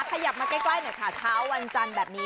ขยับมาใกล้หน่อยค่ะเช้าวันจันทร์แบบนี้